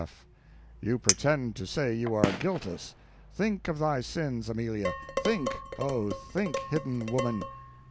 F. You pretend to say you are guiltless! Think of thy sins, Amelia; think, oh, think, hidden woman.